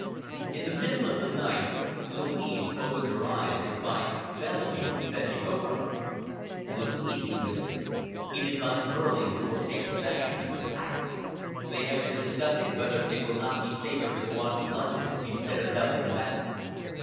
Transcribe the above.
In the middle of the night, Louise opened her eyes to find Bellamy bending over her. "Louise," he whispered, "it is Von Behrling who will take possession of the packet. They have been discussing whether it will not be safer to go on to London instead of doubling back.